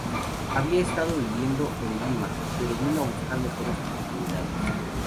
Había estado viviendo en Lima, pero vino a buscar mejores oportunidades.